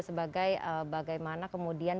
sebagai bagaimana kemudian